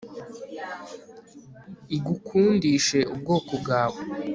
igukundishe ubwoko bwawe